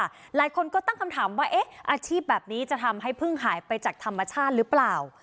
หลายคนก็ตั้งคำถามว่าเอ๊ะอาชีพแบบนี้จะทำให้พึ่งหายไปจากธรรมชาติหรือเปล่า